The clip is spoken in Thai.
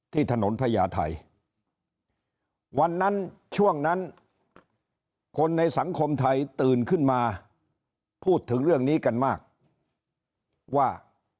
ที่ถนนพญาไทยวันนั้นช่วงนั้นคนในสังคมไทยตื่นขึ้นมาพูดถึงเรื่องนี้กันมากว่า